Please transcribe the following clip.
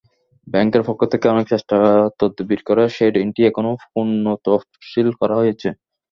ব্যাংকের পক্ষ থেকে অনেক চেষ্টা-তদবির করে সেই ঋণটি এখন পুনঃতফসিল করা হয়েছে।